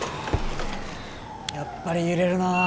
やっぱり揺れるな。